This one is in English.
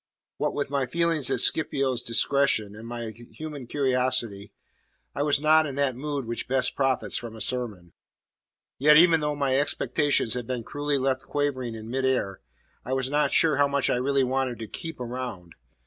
What with my feelings at Scipio's discretion, and my human curiosity, I was not in that mood which best profits from a sermon. Yet even though my expectations had been cruelly left quivering in mid air, I was not sure how much I really wanted to "keep around."